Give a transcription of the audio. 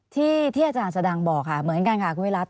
ที่อาจารย์สดังบอกค่ะเหมือนกันค่ะคุณวิรัติ